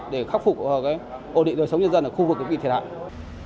để khắc phục ổn định đời sống nhân dân ở khu vực bị thiệt hại